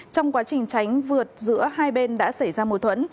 trong quá trình tránh vượt giữa hai bên đã xảy ra mối thuẫn